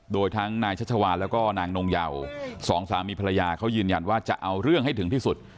โดยทั้งนายชัชวานแล้วก็นางนงเยาสองสามีภรรยาเขายืนยันว่าจะเอาเรื่องให้ถึงที่สุด